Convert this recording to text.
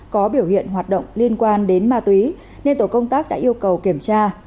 có biểu hiện hoạt động liên quan đến ma túy nên tổ công tác đã yêu cầu kiểm tra